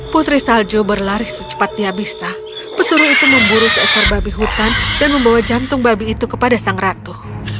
putri salju berlari secepat dia bisa pesuru itu memburu seekor babi hutan dan membawa jantung babi itu kepada sang ratu